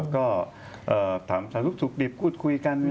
ก็ถามสำหรับสุขดิบคุยกัน